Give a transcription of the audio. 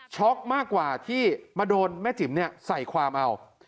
มากกว่าที่มาโดนแม่จิ๋มใส่ความเอา